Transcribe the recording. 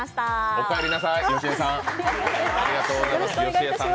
おかえりなさい、よしえさん